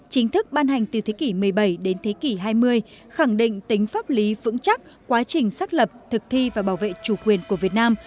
chính thức ban hành từ thế kỷ một mươi bảy đến thế kỷ hai mươi khẳng định tính pháp lý vững chắc quá trình xác lập thực thi và bảo vệ chủ quyền của việt nam